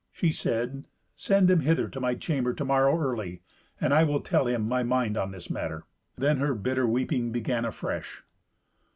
She said, "Send him hither to my chamber to morrow early, and I will tell him my mind on this matter." Then her bitter weeping began afresh.